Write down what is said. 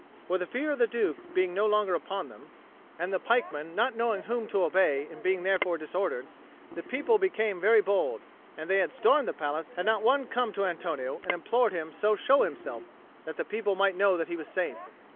For the fear of the Duke being no longer upon them, and the pikemen not knowing whom to obey and being therefore disordered, the people became very bold, and they had stormed the palace, had not one come to Antonio and implored him so show himself, that the people might know that he was safe.